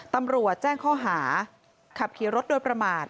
ตำรวจแจ้งข้อหาขับขี่รถโดยประมาท